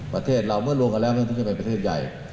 ประเทศเราเมื่อรวมกันแล้วมันถึงจะเป็นประเทศใหญ่